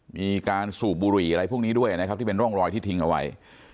มีการสูบบุหรี่อะไรพวกนี้ด้วยนะครับที่เป็นร่องรอยที่ทิ้งเอาไว้